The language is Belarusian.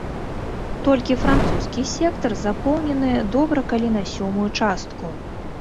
Толькі французскі сектар запоўнены добра калі на сёмую частку.